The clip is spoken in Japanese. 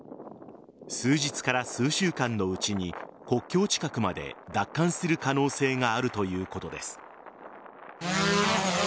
数日から数週間のうちに国境近くまで奪還する可能性があるということです。